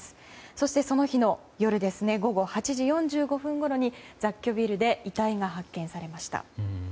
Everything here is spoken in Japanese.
そして、その日の夜午後８時４５分ごろに雑居ビルで遺体が発見されました。